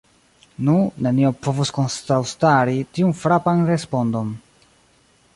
Nu, nenio povus kontraŭstari tiun frapan respondon.